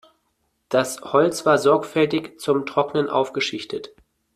Das Holz war sorgfältig zum Trocknen aufgeschichtet.